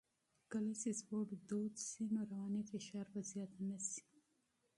کله نا کله چې سپورت دود شي، رواني فشار به زیات نه شي.